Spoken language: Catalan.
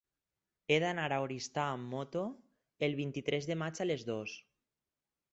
He d'anar a Oristà amb moto el vint-i-tres de maig a les dues.